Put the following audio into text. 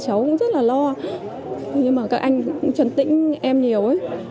mẹ cháu cũng rất là lo nhưng mà các anh cũng trần tĩnh em nhiều